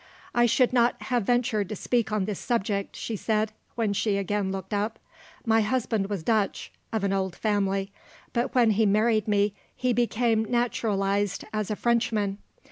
"I should not have ventured to speak on this subject," she said, when she again looked up. "My husband was Dutch, of an old family; but when he married me he became naturalised as a Frenchman.